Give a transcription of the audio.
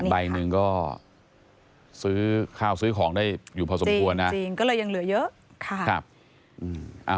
ใบหนึ่งก็ซื้อข้าวซื้อของได้อยู่พอสมควรนะจริงก็เลยยังเหลือเยอะ